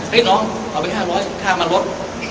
เฮ้ยน้องเอาไป๕๐๐นี่ค่ามาลด๓๐๐